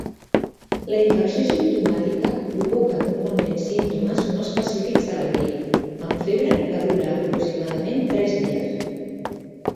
La infecció simptomàtica provoca normalment símptomes no específics de la grip, amb febre que dura aproximadament tres dies.